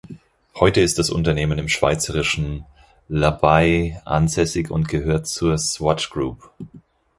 Heute ist das Unternehmen im schweizerischen L’Abbaye ansässig und gehört zur "Swatch Group".